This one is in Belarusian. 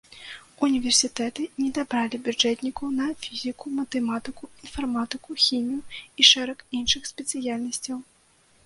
Універсітэты недабралі бюджэтнікаў на фізіку, матэматыку, інфарматыку, хімію і шэраг іншых спецыяльнасцяў.